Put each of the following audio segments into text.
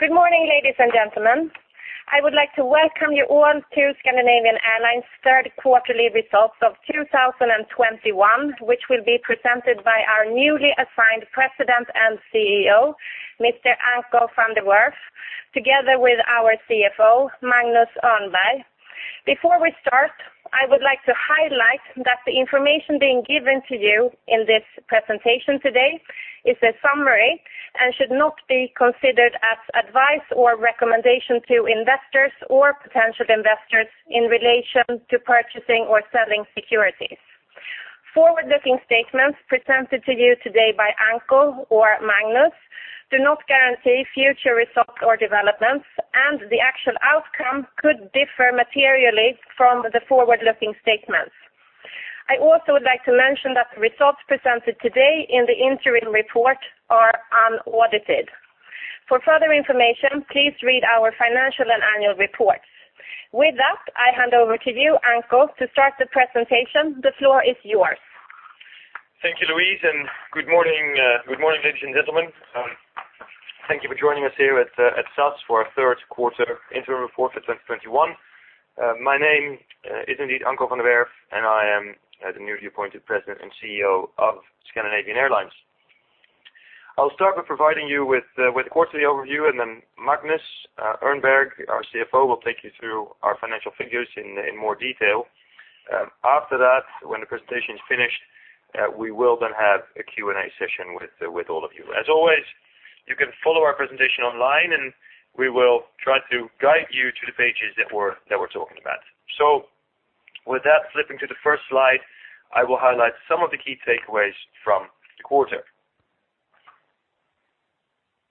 Good morning ladies and gentlemen? I would like to welcome you all to Scandinavian Airlines' third quarterly results of 2021, which will be presented by our newly assigned President and Chief Executive Officer, Mr. Anko van der Werff, together with our Chief Financial Officer, Magnus Örnberg. Before we start, I would like to highlight that the information being given to you in this presentation today is a summary and should not be considered as advice or recommendation to investors or potential investors in relation to purchasing or selling securities. Forward-looking statements presented to you today by Anko or Magnus do not guarantee future results or developments, and the actual outcome could differ materially from the forward-looking statements. I also would like to mention that the results presented today in the interim report are unaudited. For further information, please read our financial and annual reports. With that, I hand over to you, Anko, to start the presentation. The floor is yours. Thank you, Louise. Good morning, ladies and gentlemen. Thank you for joining us here at SAS for our third quarter interim report for 2021. My name is indeed Anko van der Werff. I am the newly appointed President and Chief Executive Officer of Scandinavian Airlines. I'll start by providing you with the quarterly overview. Then Magnus Örnberg, our Chief Financial Officer, will take you through our financial figures in more detail. After that, when the presentation is finished, we will then have a Q&A session with all of you. As always, you can follow our presentation online. We will try to guide you to the pages that we're talking about. With that, flipping to the first slide, I will highlight some of the key takeaways from the quarter.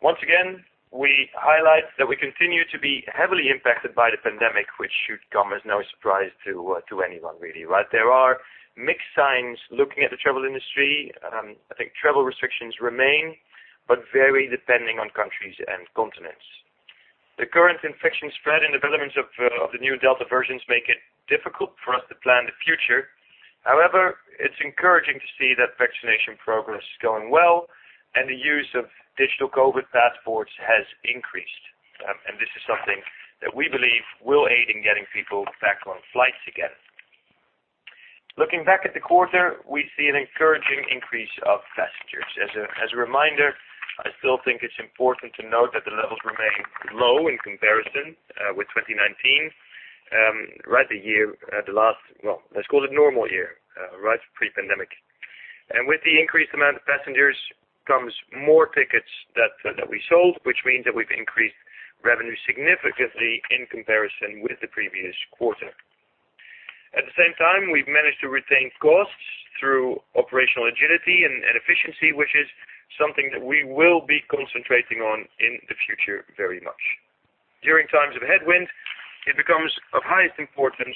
Once again, we highlight that we continue to be heavily impacted by the pandemic, which should come as no surprise to anyone, really, right? There are mixed signs looking at the travel industry. I think travel restrictions remain, but vary depending on countries and continents. The current infection spread and developments of the new Delta variant make it difficult for us to plan the future. However, it's encouraging to see that vaccination progress is going well and the use of digital COVID passports has increased. This is something that we believe will aid in getting people back on flights again. Looking back at the quarter, we see an encouraging increase of passengers. As a reminder, I still think it's important to note that the levels remain low in comparison with 2019, the year, the last, well, let's call it normal year. Right? Pre-pandemic. With the increased amount of passengers comes more tickets that we sold, which means that we've increased revenue significantly in comparison with the previous quarter. At the same time, we've managed to retain costs through operational agility and efficiency, which is something that we will be concentrating on in the future very much. During times of headwind, it becomes of highest importance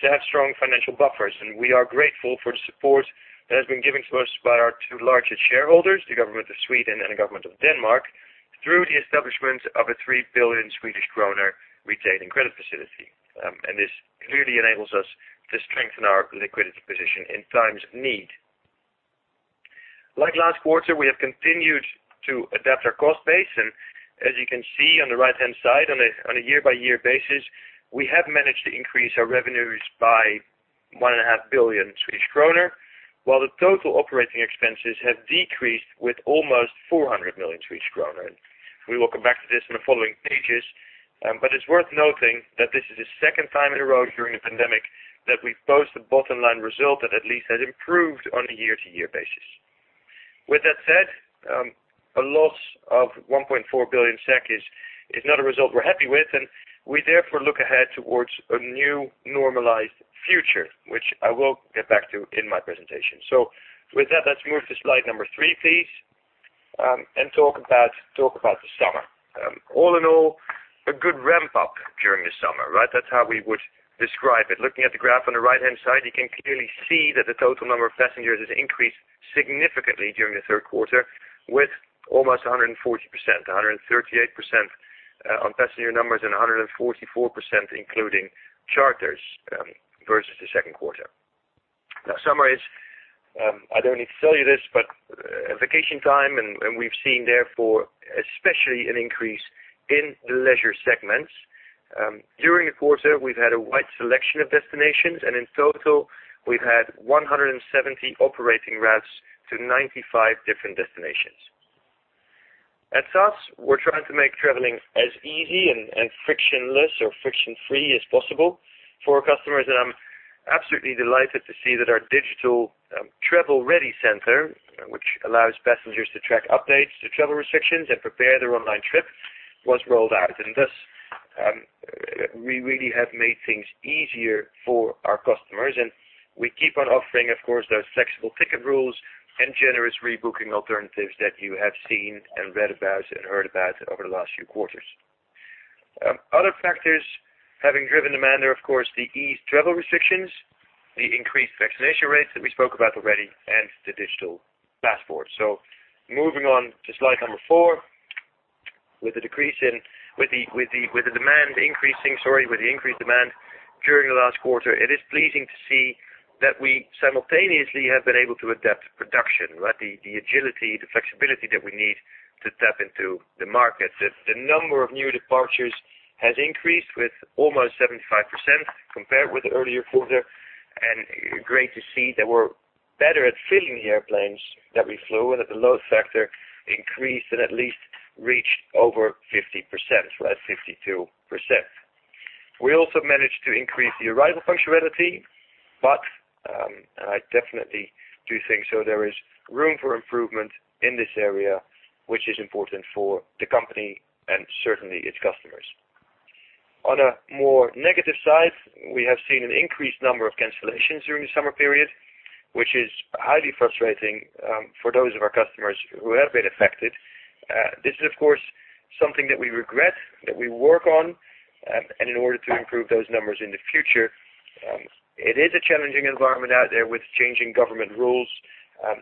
to have strong financial buffers. We are grateful for the support that has been given to us by our two largest shareholders, the government of Sweden and the government of Denmark, through the establishment of a 3 billion Swedish kronor retaining credit facility. This clearly enables us to strengthen our liquidity position in times of need. Like last quarter, we have continued to adapt our cost base. As you can see on the right-hand side, on a year-over-year basis, we have managed to increase our revenues by 1.5 billion, while the total operating expenses have decreased with almost 400 million. We will come back to this in the following pages. It's worth noting that this is the second time in a row during the pandemic that we've posted a bottom-line result that at least has improved on a year-over-year basis. With that said, a loss of SEK 1.4 billion is not a result we're happy with. We therefore look ahead towards a new normalized future, which I will get back to in my presentation. With that, let's move to slide number three, please. Talk about the summer. All in all, a good ramp-up during the summer, right? That's how we would describe it. Looking at the graph on the right-hand side, you can clearly see that the total number of passengers has increased significantly during the third quarter, with almost 140%, 138% on passenger numbers and 144% including charters versus the second quarter. Summer is, I don't need to tell you this, but vacation time, and we've seen therefore, especially an increase in the leisure segments. During the quarter, we've had a wide selection of destinations, and in total, we've had 170 operating routes to 95 different destinations. At SAS, we're trying to make traveling as easy and frictionless or friction-free as possible for our customers. I'm absolutely delighted to see that our digital Travel Ready Center, which allows passengers to track updates to travel restrictions and prepare their online trip, was rolled out. Thus, we really have made things easier for our customers, and we keep on offering, of course, those flexible ticket rules and generous rebooking alternatives that you have seen and read about and heard about over the last few quarters. Other factors having driven demand are, of course, the eased travel restrictions, the increased vaccination rates that we spoke about already, and the digital passport. Moving on to slide number four. With the increased demand during the last quarter, it is pleasing to see that we simultaneously have been able to adapt production, the agility, the flexibility that we need to tap into the market. The number of new departures has increased with almost 75% compared with the earlier quarter, and great to see that we're better at filling the airplanes that we flew, and that the load factor increased and at least reached over 50%, so that's 52%. We also managed to increase the arrival punctuality, but I definitely do think so there is room for improvement in this area, which is important for the company and certainly its customers. On a more negative side, we have seen an increased number of cancellations during the summer period, which is highly frustrating for those of our customers who have been affected. This is, of course, something that we regret, that we work on, and in order to improve those numbers in the future. It is a challenging environment out there with changing government rules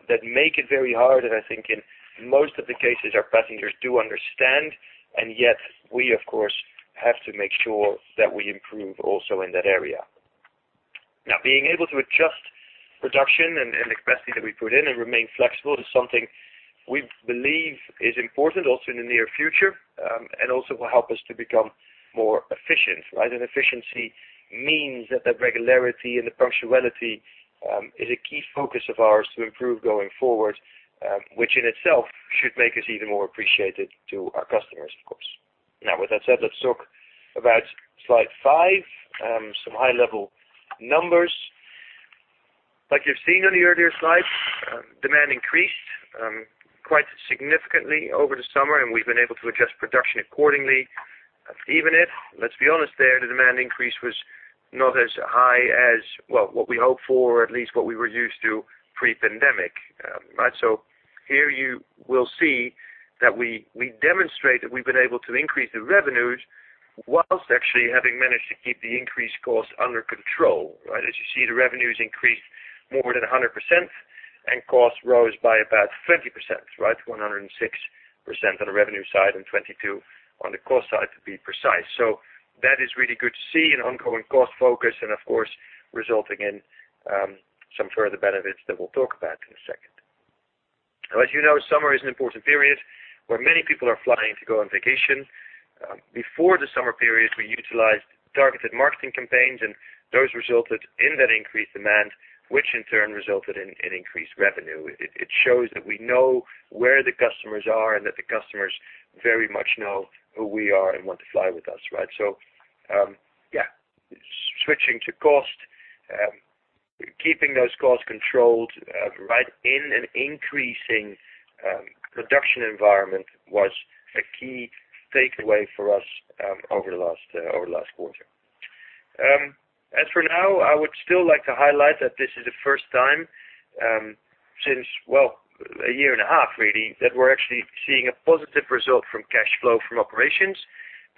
that make it very hard, and I think in most of the cases, our passengers do understand, and yet we, of course, have to make sure that we improve also in that area. Now, being able to adjust production and the capacity that we put in and remain flexible is something we believe is important also in the near future, and also will help us to become more efficient. Efficiency means that regularity and the punctuality is a key focus of ours to improve going forward, which in itself should make us even more appreciated to our customers, of course. Now, with that said, let's talk about slide five, some high-level numbers. Like you've seen on the earlier slides, demand increased quite significantly over the summer, and we've been able to adjust production accordingly. Even if, let's be honest there, the demand increase was not as high as, well, what we hoped for, or at least what we were used to pre-pandemic. Here you will see that we demonstrate that we've been able to increase the revenues whilst actually having managed to keep the increased cost under control. As you see, the revenues increased more than 100%, and costs rose by about 20%. 106% on the revenue side and 22% on the cost side, to be precise. That is really good to see an ongoing cost focus and, of course, resulting in some further benefits that we'll talk about in one second. As you know, summer is an important period where many people are flying to go on vacation. Before the summer period, we utilized targeted marketing campaigns, and those resulted in that increased demand, which in turn resulted in increased revenue. It shows that we know where the customers are and that the customers very much know who we are and want to fly with us. Yeah, switching to cost, keeping those costs controlled in an increasing production environment was a key takeaway for us over the last quarter. As for now, I would still like to highlight that this is the first time since, well, a year and a half, really, that we're actually seeing a positive result from cash flow from operations,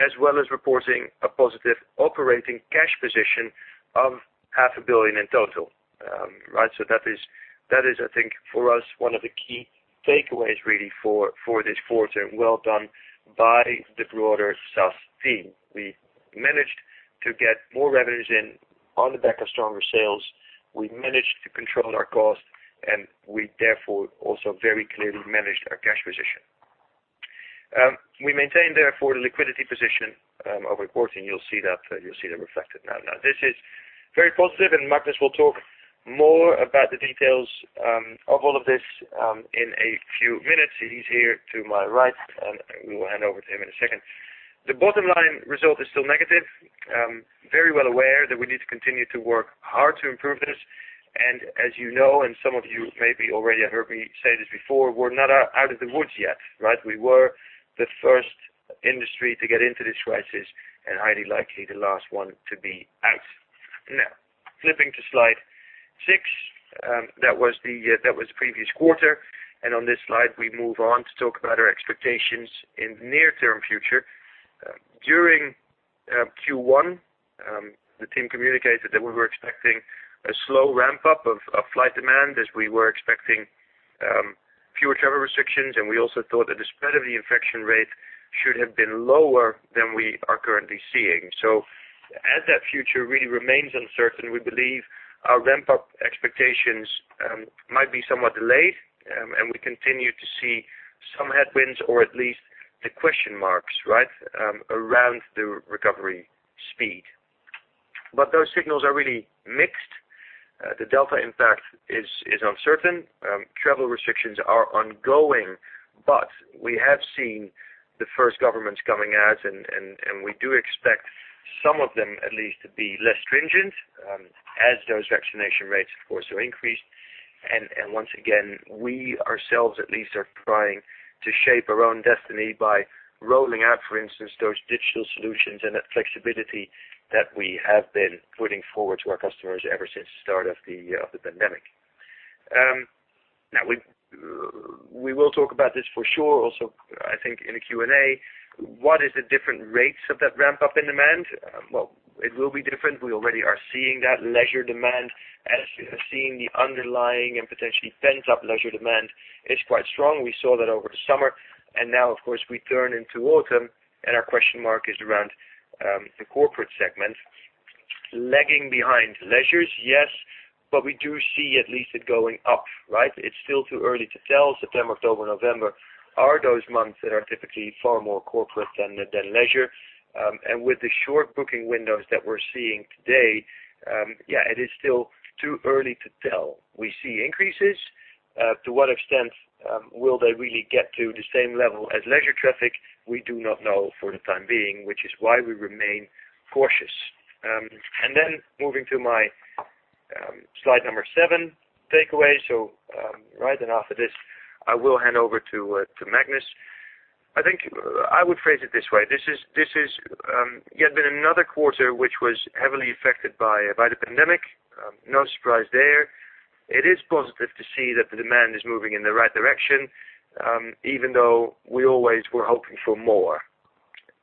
as well as reporting a positive operating cash position of half a billion in total. That is, I think, for us, one of the key takeaways, really, for this quarter. Well done by the broader SAS team. We managed to get more revenues in on the back of stronger sales. We managed to control our costs, and we therefore also very clearly managed our cash position. We maintained, therefore, the liquidity position of reporting. You'll see that reflected now. This is very positive, and Magnus will talk more about the details of all of this in a few minutes. He's here to my right, and we will hand over to him in a second. The bottom line result is still negative. Very well aware that we need to continue to work hard to improve this. As you know, and some of you maybe already have heard me say this before, we're not out of the woods yet. We were the first industry to get into this crisis and highly likely the last one to be out. Flipping to slide six, that was the previous quarter. On this slide, we move on to talk about our expectations in the near-term future. During Q1, the team communicated that we were expecting a slow ramp-up of flight demand as we were expecting fewer travel restrictions, and we also thought that the spread of the infection rate should have been lower than we are currently seeing. As that future really remains uncertain, we believe our ramp-up expectations might be somewhat delayed, and we continue to see some headwinds, or at least the question marks, around the recovery speed. Those signals are really mixed. The Delta impact is uncertain. Travel restrictions are ongoing, but we have seen the first governments coming out, and we do expect some of them at least to be less stringent as those vaccination rates, of course, are increased. Once again, we ourselves at least are trying to shape our own destiny by rolling out, for instance, those digital solutions and that flexibility that we have been putting forward to our customers ever since the start of the pandemic. We will talk about this for sure also, I think, in the Q&A. What is the different rates of that ramp-up in demand? It will be different. We already are seeing that leisure demand, as seeing the underlying and potentially pent-up leisure demand is quite strong. We saw that over the summer, and now, of course, we turn into autumn, and our question mark is around the corporate segment. Lagging behind leisure, yes, but we do see at least it going up. It's still too early to tell. September, October, November are those months that are typically far more corporate than leisure. With the short booking windows that we're seeing today, it is still too early to tell. We see increases. To what extent will they really get to the same level as leisure traffic? We do not know for the time being, which is why we remain cautious. Moving to my slide number seven takeaway. After this, I will hand over to Magnus. I think I would phrase it this way. This is yet been another quarter which was heavily affected by the pandemic. No surprise there. It is positive to see that the demand is moving in the right direction, even though we always were hoping for more.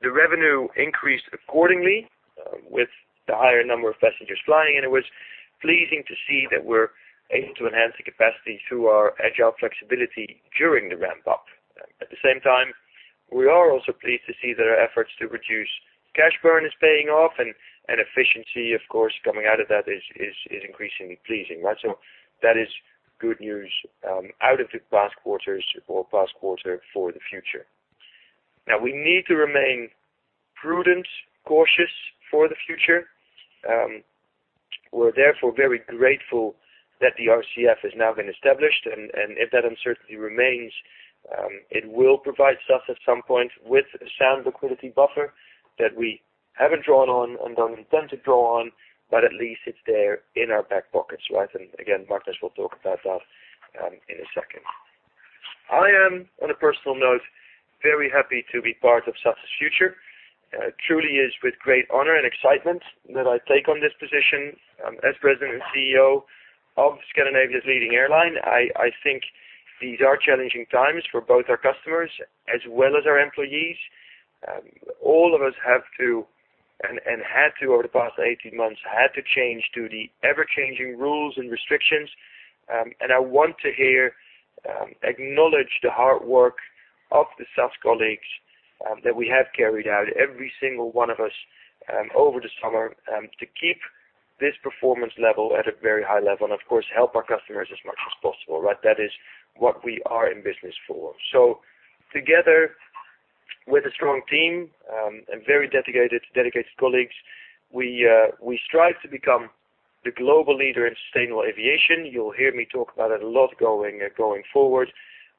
The revenue increased accordingly with the higher number of passengers flying, and it was pleasing to see that we're able to enhance the capacity through our agile flexibility during the ramp-up. At the same time, we are also pleased to see that our efforts to reduce cash burn is paying off, and efficiency, of course, coming out of that is increasingly pleasing. That is good news out of the past quarters or past quarter for the future. We need to remain prudent, cautious for the future. We're therefore very grateful that the RCF has now been established, and if that uncertainty remains, it will provide SAS at some point with a sound liquidity buffer that we haven't drawn on and don't intend to draw on, but at least it's there in our back pockets. Again, Magnus will talk about that in a second. I am, on a personal note, very happy to be part of SAS' future. It truly is with great honor and excitement that I take on this position as President and Chief Executive Officer of Scandinavia's leading airline. I think these are challenging times for both our customers as well as our employees. All of us have to, and had to over the past 18 months, had to change to the ever-changing rules and restrictions. I want to here acknowledge the hard work of the SAS colleagues that we have carried out, every single one of us over the summer to keep this performance level at a very high level and, of course, help our customers as much as possible. That is what we are in business for. Together with a strong team and very dedicated colleagues, we strive to become the global leader in sustainable aviation. You'll hear me talk about it a lot going forward,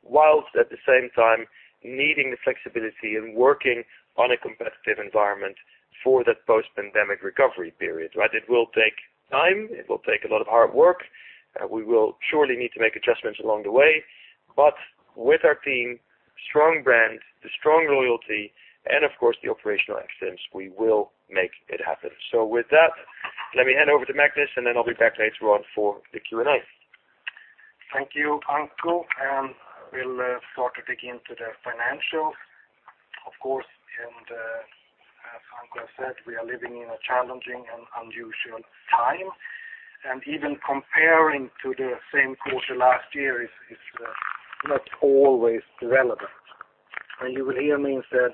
whilst at the same time needing the flexibility and working on a competitive environment for that post-pandemic recovery period. It will take time. It will take a lot of hard work. We will surely need to make adjustments along the way. With our team, strong brand, the strong loyalty, and of course the operational excellence, we will make it happen. With that, let me hand over to Magnus, and then I'll be back later on for the Q&A. Thank you, Anko. We'll start to dig into the financials. Of course, as Anko has said, we are living in a challenging and unusual time. Even comparing to the same quarter last year is not always relevant. You will hear me instead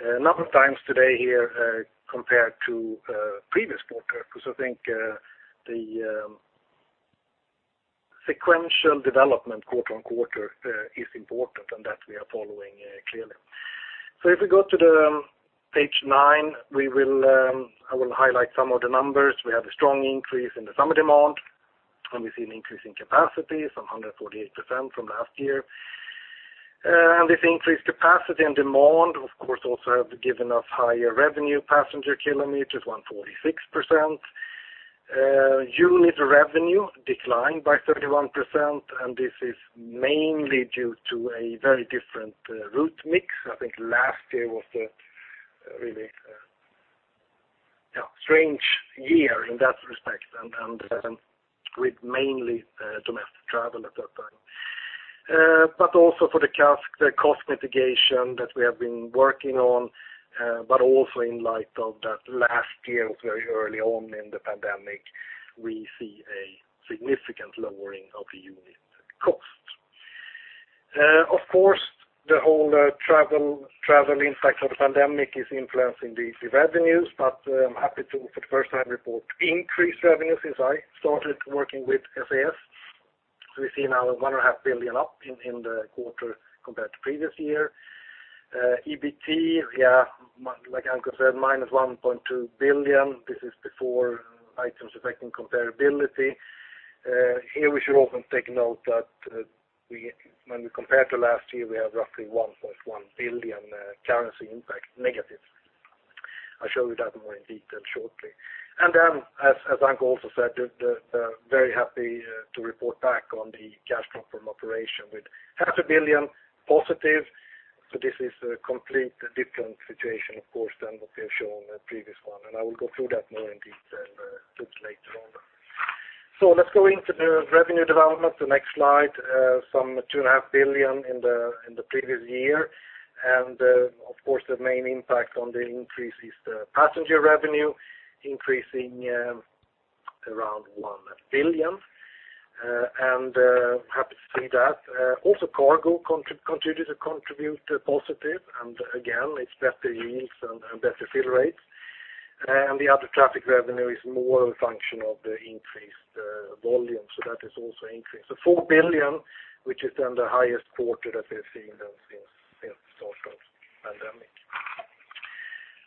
a number of times today here compared to previous quarter, because I think the sequential development quarter-on-quarter is important, and that we are following clearly. If we go to page nine, I will highlight some of the numbers. We have a strong increase in the summer demand, and we see an increase in capacity, some 148% from last year. This increased capacity and demand, of course, also have given us higher revenue passenger km, 146%. Unit revenue declined by 31%, and this is mainly due to a very different route mix. I think last year was a really strange year in that respect and with mainly domestic travel at that time. Also for the CASK, the cost mitigation that we have been working on, but also in light of that last year, very early on in the pandemic, we see a significant lowering of the unit cost. Of course, the whole travel impact of the pandemic is influencing these revenues, but I'm happy to, for the first time, report increased revenues since I started working with SAS. We see now 1.5 billion up in the quarter compared to previous year. EBT, like Anko said, minus 1.2 billion. This is before items affecting comparability. Here we should also take note that when we compare to last year, we have roughly 1.1 billion currency impact negative. I'll show you that more in detail shortly. As Anko also said, very happy to report back on the cash flow from operation with +0.5 billion. This is a complete different situation, of course, than what we have shown the previous one, and I will go through that more in detail later on. Let's go into the revenue development, the next slide, some 2.5 billion in the previous year. The main impact on the increase is the passenger revenue increasing around 1 billion, and happy to see that. Also cargo continues to contribute positive, and again, it's better yields and better fill rates. The other traffic revenue is more a function of the increased volume, so that is also increased. 4 billion, which is then the highest quarter that we've seen since the start of pandemic.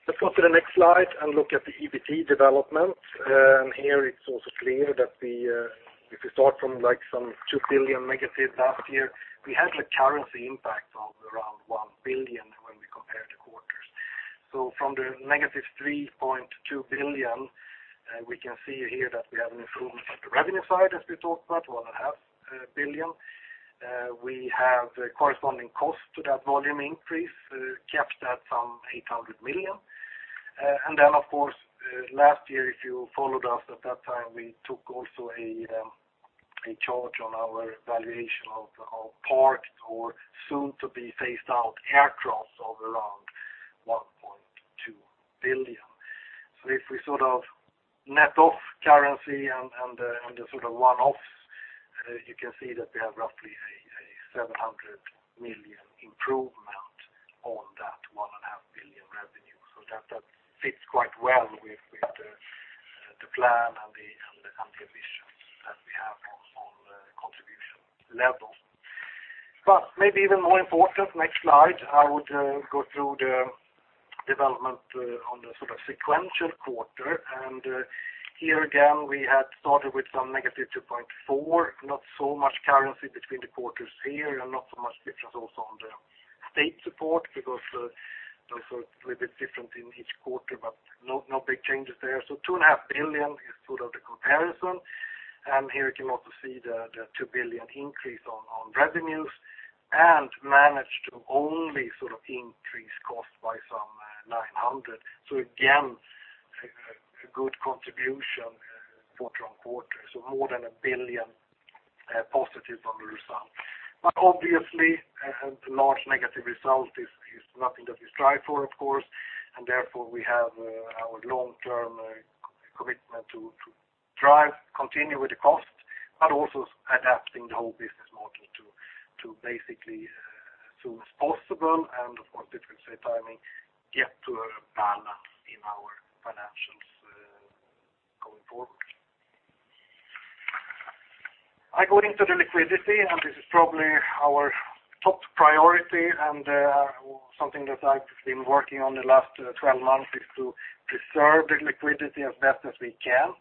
Let's go to the next slide and look at the EBT development. Here it's also clear that if we start from some -2 billion last year, we had currency impact of around 1 billion when we compare the quarters. From the -3.2 billion, we can see here that we have improved at the revenue side, as we talked about, 1.5 billion. We have corresponding cost to that volume increase, kept at some 800 million. Of course, last year, if you followed us at that time, we took also a charge on our valuation of parked or soon-to-be-phased-out aircraft of around 1.2 billion. If we net off currency and the one-offs, you can see that we have roughly a 700 million improvement on that 1.5 billion revenue. That fits quite well with the plan and the ambitions that we have on contribution level. Maybe even more important, next slide, I would go through the development on the sequential quarter. Here again, we had started with some -2.4, not so much currency between the quarters here and not so much difference also on the state support because those are a little bit different in each quarter, but no big changes there. 2.5 billion is the comparison. Here you can also see the 2 billion increase on revenues and managed to only increase cost by some 900. Again, a good contribution quarter-on-quarter, more than SEK 1 billion positive on the result. Obviously, the large negative result is nothing that we strive for, of course, and therefore we have our long-term commitment to drive, continue with the cost, but also adapting the whole business model to basically as soon as possible, and of course, difference in timing, get to a balance in our financials going forward. I go into the liquidity, and this is probably our top priority, and something that I've been working on the last 12 months is to preserve the liquidity as best as we can.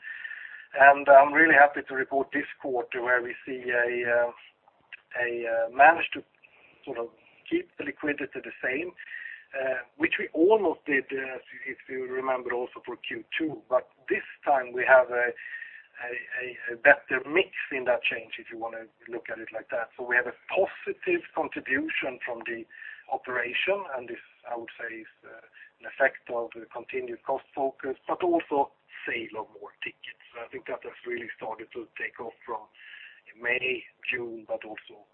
I'm really happy to report this quarter where we managed to keep the liquidity the same, which we almost did, if you remember also for Q2. This time we have a better mix in that change, if you want to look at it like that. We have a positive contribution from the operation, and this, I would say, is an effect of the continued cost focus, but also sale of more tickets. I think that has really started to take off from May, June, but also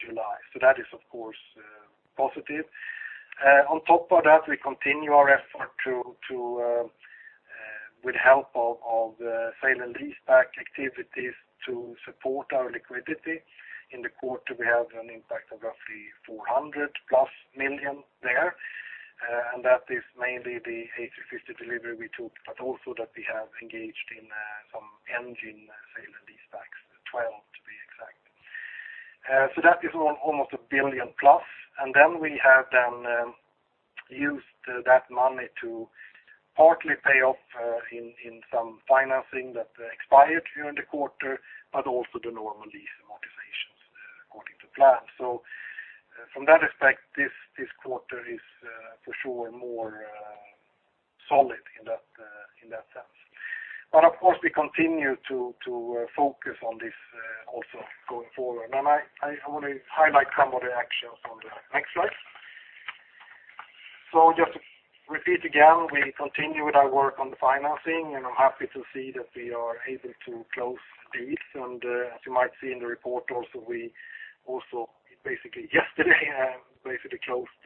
July. That is, of course, positive. On top of that, we continue our effort to, with help of sale and leaseback activities to support our liquidity. In the quarter, we have an impact of roughly 400-plus million there. That is mainly the A350 delivery we took, but also that we have engaged in some engine sale and leasebacks, 12 to be exact. That is almost 1 billion-plus. We have then used that money to partly pay off in some financing that expired during the quarter, but also the normal lease amortizations according to plan. From that aspect, this quarter is for sure more solid in that sense. Of course, we continue to focus on this also going forward. I want to highlight some of the actions on the next slide. Just to repeat again, we continue with our work on the financing, and I'm happy to see that we are able to close deals. As you might see in the report also, we also yesterday closed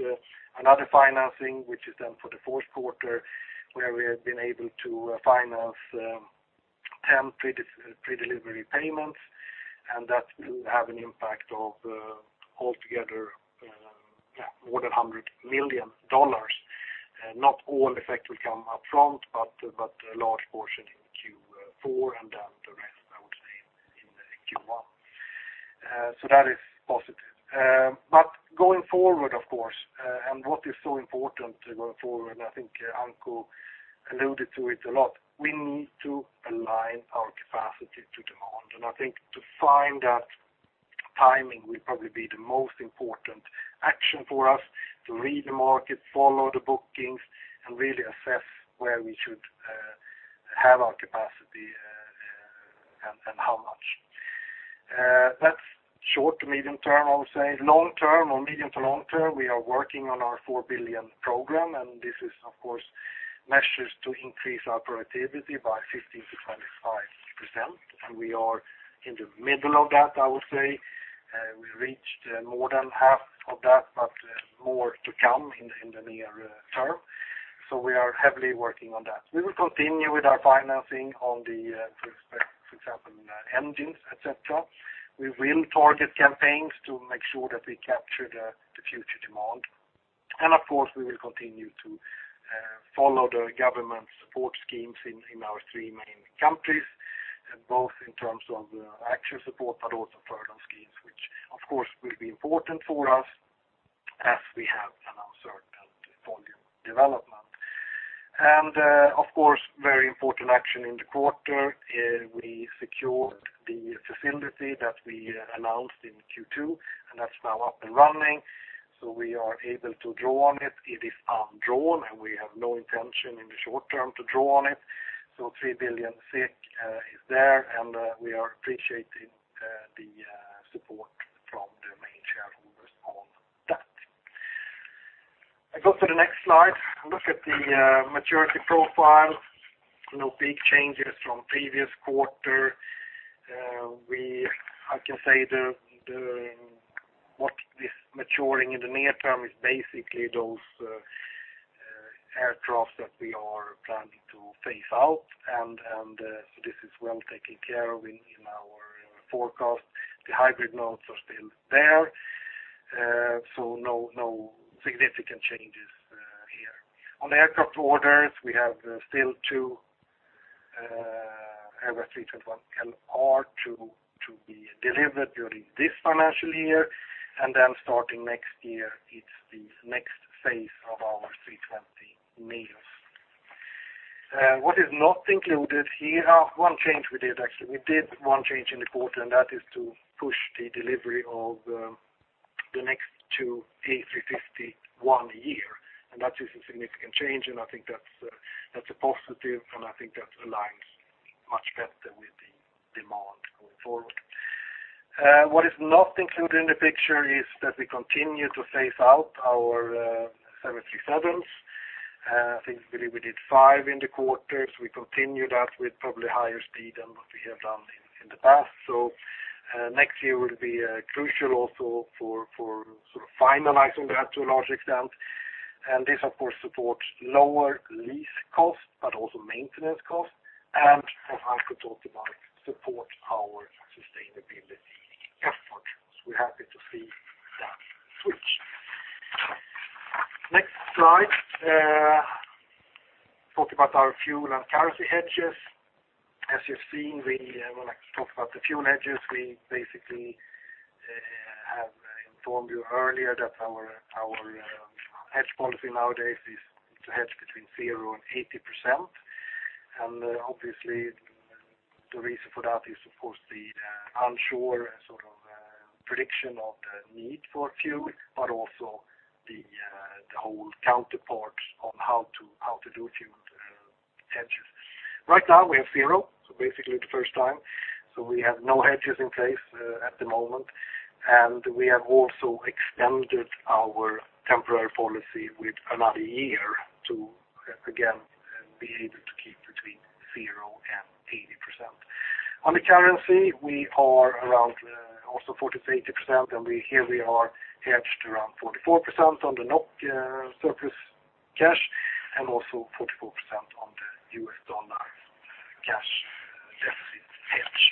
another financing, which is then for the fourth quarter, where we have been able to finance 10 predelivery payments, and that will have an impact of altogether more than $100 million. Not all effect will come upfront, but a large portion in Q4 and then the rest, I would say, in Q1. That is positive. Going forward, of course, and what is so important going forward, I think Anko alluded to it a lot, we need to align our capacity to demand. I think to find that timing will probably be the most important action for us to read the market, follow the bookings, and really assess where we should have our capacity and how much. That's short to medium-term, I would say. Long-term or medium to long-term, we are working on our 4 billion program, this is, of course, measures to increase our productivity by 15%-25%, we are in the middle of that, I would say. We reached more than half of that, more to come in the near term. We are heavily working on that. We will continue with our financing on the, for example, engines, et cetera. We will target campaigns to make sure that we capture the future demand. Of course, we will continue to follow the government support schemes in our three main countries, both in terms of the actual support, but also further schemes, which of course will be important for us as we have an uncertain volume development. Of course, very important action in the quarter, we secured the facility that we announced in Q2, and that's now up and running, so we are able to draw on it. It is undrawn, and we have no intention in the short term to draw on it. 3 billion is there, and we are appreciating the support from the main shareholders on that. I go to the next slide. Look at the maturity profile. No big changes from previous quarter. I can say what this maturing in the near term is basically those aircraft that we are planning to phase out, and so this is well taken care of in our forecast. The hybrid notes are still there. No significant changes here. On aircraft orders, we have still two Airbus A321LR to be delivered during this financial year. Starting next year, it's the next phase of our A320neos. What is not included here. One change we did, actually. We did one change in the quarter, and that is to push the delivery of the next two A350 one year. That is a significant change, and I think that's a positive, and I think that aligns much better with the demand going forward. What is not included in the picture is that we continue to phase out our 737s. I think we did five in the quarter. We continue that with probably higher speed than what we have done in the past. Next year will be crucial also for sort of finalizing that to a large extent. This, of course, supports lower lease costs, but also maintenance costs, and for Anko to talk about support our sustainability effort. We're happy to see that switch. Next slide. Talk about our fuel and currency hedges. As you've seen, we would like to talk about the fuel hedges. We basically have informed you earlier that our hedge policy nowadays is to hedge between 0% and 80%. Obviously, the reason for that is, of course, the unsure sort of prediction of the need for fuel, but also the whole counterpart on how to do fuel hedges. Right now, we have zero, so basically the first time. We have no hedges in place at the moment. We have also extended our temporary policy with another year to, again, be able to keep between 0%-80%. On the currency, we are around also 40%-80%, and here we are hedged around 44% on the NOK surplus cash and also 44% on the US dollar cash deficit hedge.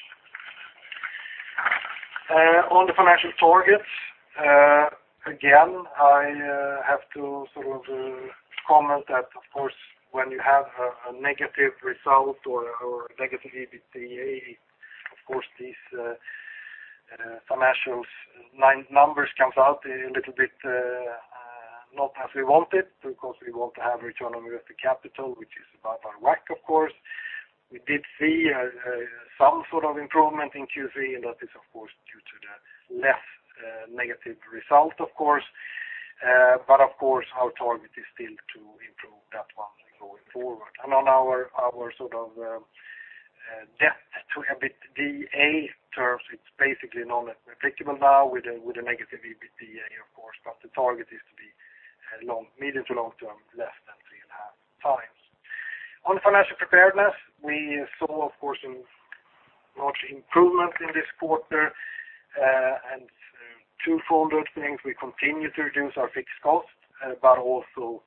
On the financial targets, again, I have to sort of comment that, of course, when you have a negative result or a negative EBITDA, of course these financials numbers comes out a little bit not as we wanted because we want to have return on invested capital, which is about our WACC, of course. We did see some sort of improvement in Q3, and that is of course due to the less negative result, of course. Our target is still to improve that one going forward. On our sort of debt to EBITDA terms, it's basically not applicable now with a negative EBITDA, of course, but the target is to be medium to long term, less than 3.5x. On financial preparedness, we saw, of course, some large improvements in this quarter. Two folded things, we continue to reduce our fixed cost, but also,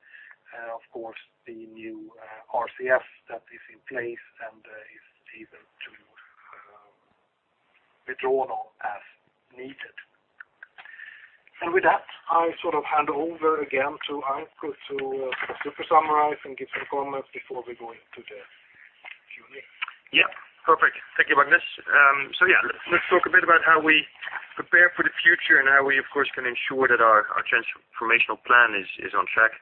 of course, the new RCF that is in place and is able to be drawn on as needed. With that, I sort of hand over again to Hans to super summarize and give some comments before we go into the Q&A. Yeah. Perfect. Thank you, Magnus Örnberg. Yeah, let's talk a bit about how we prepare for the future and how we, of course, can ensure that our transformational plan is on track,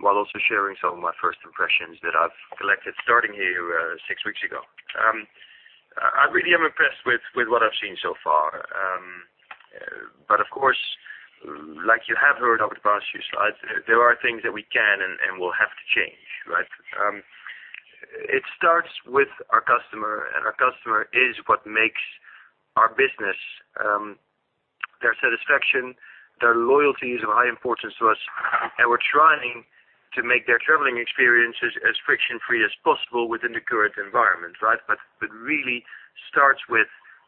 while also sharing some of my first impressions that I've collected starting here six weeks ago. I really am impressed with what I've seen so far. Of course, like you have heard over the past few slides, there are things that we can and will have to change, right? It starts with our customer. Our customer is what makes our business. Their satisfaction, their loyalty is of high importance to us. We're trying to make their traveling experiences as friction-free as possible within the current environment. Really starts with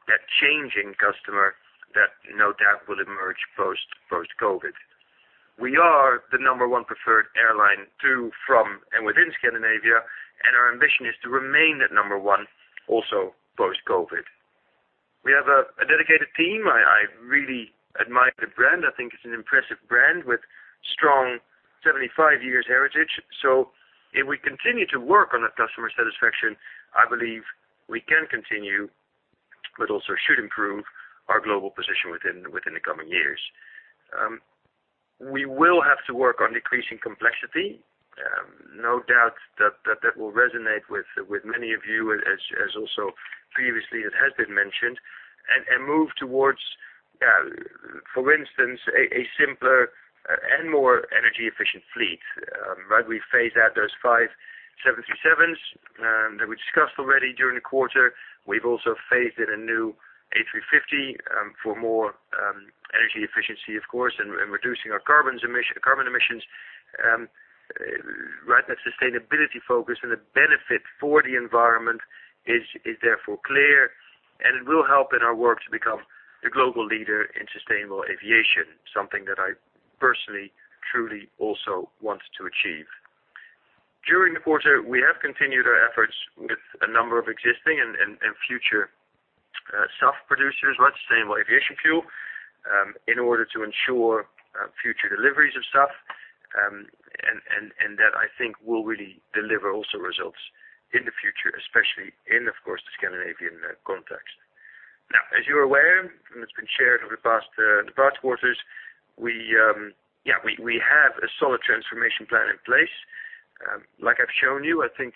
that changing customer that no doubt will emerge post-COVID. We are the number one preferred airline to, from, and within Scandinavia. Our ambition is to remain at number one also post-COVID. We have a dedicated team. I really admire the brand. I think it's an impressive brand with strong 75 years heritage. If we continue to work on that customer satisfaction, I believe we can continue, but also should improve our global position within the coming years. We will have to work on decreasing complexity. No doubt that will resonate with many of you as also previously it has been mentioned. Move towards, for instance, a simpler and more energy efficient fleet. We phase out those five 737s that we discussed already during the quarter. We've also phased in a new A350, for more energy efficiency, of course, and reducing our carbon emissions. That sustainability focus and the benefit for the environment is therefore clear, and it will help in our work to become the global leader in sustainable aviation, something that I personally, truly also want to achieve. During the quarter, we have continued our efforts with a number of existing and future SAF producers, sustainable aviation fuel, in order to ensure future deliveries of SAF. That I think will really deliver also results in the future, especially in, of course, the Scandinavian context. Now, as you're aware, and it's been shared over the past quarters, we have a solid transformation plan in place. Like I've shown you, I think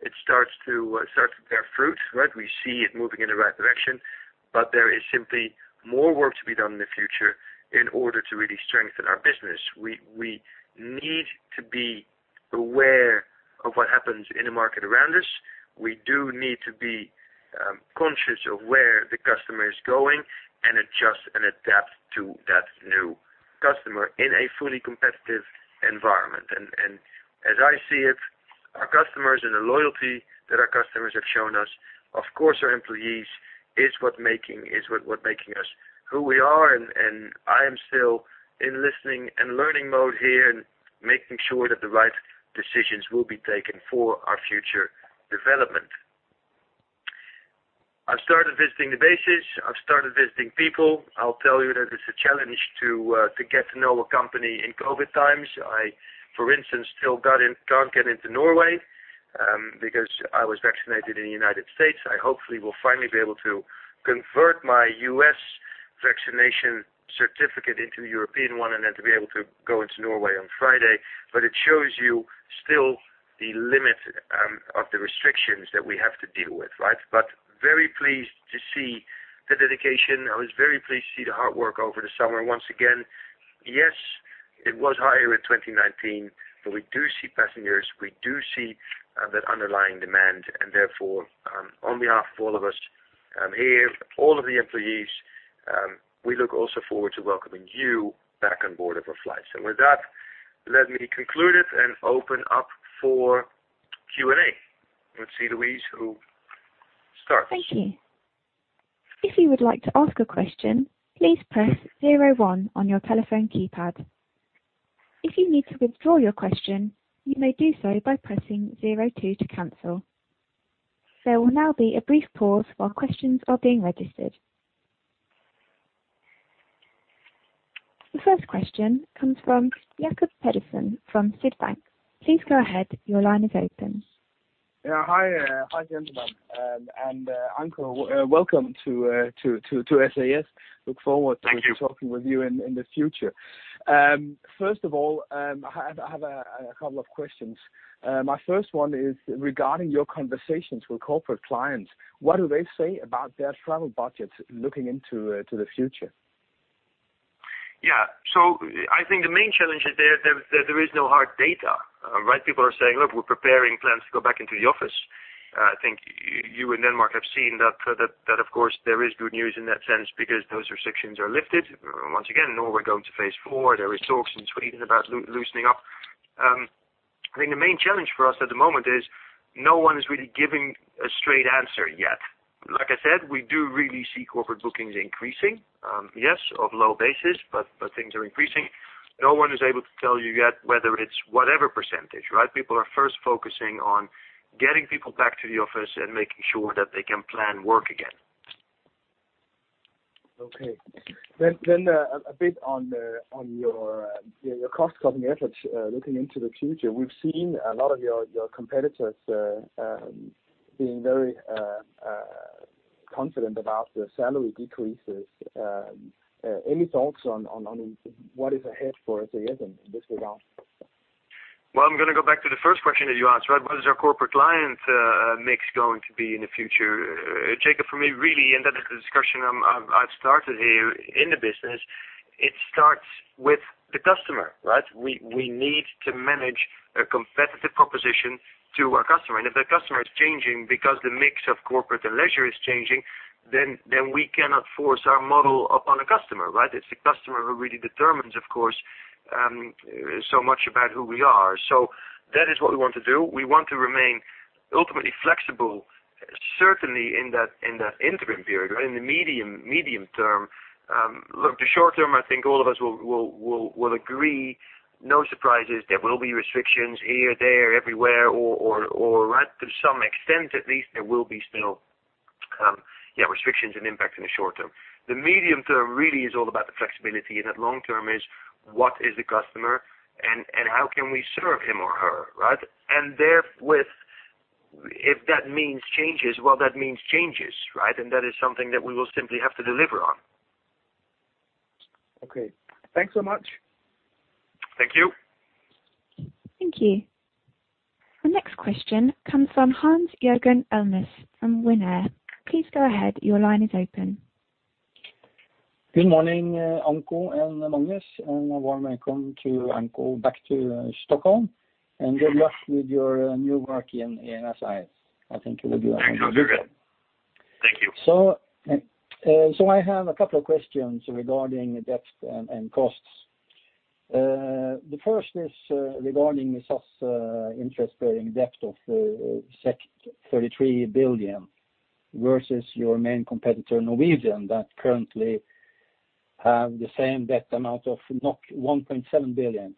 it starts to bear fruit. We see it moving in the right direction, but there is simply more work to be done in the future in order to really strengthen our business. We need to be aware of what happens in the market around us. We do need to be conscious of where the customer is going and adjust and adapt to that new customer in a fully competitive environment. As I see it, our customers and the loyalty that our customers have shown us, of course, our employees is what making us who we are, and I am still in listening and learning mode here and making sure that the right decisions will be taken for our future development. I've started visiting the bases. I've started visiting people. I'll tell you that it's a challenge to get to know a company in COVID times. I, for instance, still can't get into Norway, because I was vaccinated in the United States. I hopefully will finally be able to convert my U.S. vaccination certificate into a European one and then to be able to go into Norway on Friday. It shows you still the limit of the restrictions that we have to deal with. Very pleased to see the dedication. I was very pleased to see the hard work over the summer once again. Yes, it was higher in 2019, but we do see passengers, we do see that underlying demand, and therefore, on behalf of all of us here, all of the employees, we look also forward to welcoming you back on board of our flights. With that, let me conclude it and open up for Q&A with Louise who starts. Thank you. If you would like to ask a question, please press zero one on your telephone keypad. If you need to withdraw your question, you may do so by pressing zero two to cancel. There will now be a brief pause while questions are being registered. The first question comes from Jacob Pedersen from Sydbank, please go ahead your line is open. Yeah. Hi, gentlemen? Anko, welcome to SAS. Thank you. To talking with you in the future. First of all, I have a couple of questions. My first one is regarding your conversations with corporate clients. What do they say about their travel budgets looking into the future? Yeah. I think the main challenge is there is no hard data. People are saying, look, we're preparing plans to go back into the office. I think you in Denmark have seen that, of course, there is good news in that sense because those restrictions are lifted. Once again, Norway going to phase 4. There is talks in Sweden about loosening up. I think the main challenge for us at the moment is no one is really giving a straight answer yet. Like I said, we do really see corporate bookings increasing. Yes, of low basis, things are increasing. No one is able to tell you yet whether it's whatever percentage. People are first focusing on getting people back to the office and making sure that they can plan work again. A bit on your cost-cutting efforts, looking into the future. We've seen a lot of your competitors being very confident about the salary decreases. Any thoughts on what is ahead for SAS in this regard? Well, I'm going to go back to the first question that you asked. What is our corporate client mix going to be in the future? Jacob, for me, really, and that is a discussion I've started here in the business, it starts with the customer. We need to manage a competitive proposition to our customer. If the customer is changing because the mix of corporate and leisure is changing, we cannot force our model upon a customer. It's the customer who really determines, of course, so much about who we are. That is what we want to do. We want to remain ultimately flexible, certainly in that interim period, in the medium term. Look, the short term, I think all of us will agree, no surprises, there will be restrictions here, there, everywhere, or to some extent at least, there will be still restrictions and impacts in the short term. The medium term really is all about the flexibility, and that long term is what is the customer and how can we serve him or her. Therewith, if that means changes, well, that means changes. That is something that we will simply have to deliver on. Okay. Thanks so much. Thank you. Thank you. The next question comes from Hans Jørgen Elnæs from WINAIR, please go ahead your line is open. Good morning, Anko and Magnus, and a warm welcome to Anko back to Stockholm, and good luck with your new work in SAS. I think you will. Thanks. I'll do good. Thank you. I have a couple of questions regarding debt and costs. The first is regarding the SAS interest-bearing debt of 33 billion versus your main competitor, Norwegian, that currently have the same debt amount of 1.7 billion,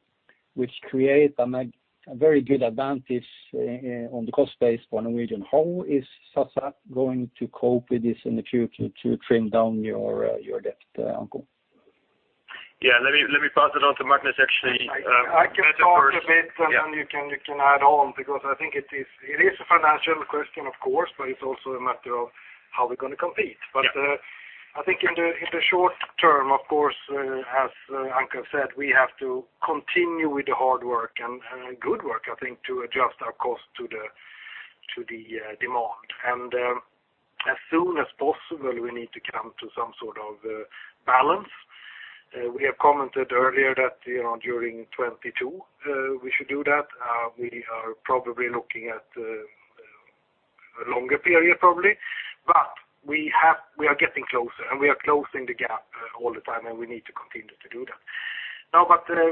which create a very good advantage on the cost base for Norwegian. How is SAS going to cope with this in the future to trim down your debt, Anko? Yeah. Let me pass it on to Magnus, actually. I can start a bit. Yeah Then you can add on, because I think it is a financial question, of course, but it's also a matter of how we're going to compete. Yeah. I think in the short term, of course, as Anko said, we have to continue with the hard work and good work, I think, to adjust our cost to the demand. As soon as possible, we need to come to some sort of balance. We have commented earlier that during 2022, we should do that. We are probably looking at a longer period probably, but we are getting closer, and we are closing the gap all the time, and we need to continue to do that.